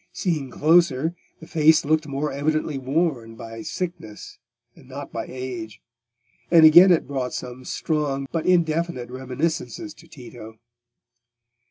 Seen closer, the face looked more evidently worn by sickness and not by age; and again it brought some strong but indefinite reminiscences to Tito.